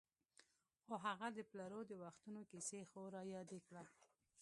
خو هغه د پلرو د وختونو کیسې خو رایادې کړه.